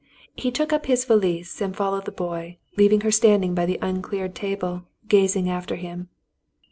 He took up his valise and followed the boy, leaving her standing by the uncleared table, gaz ing after him."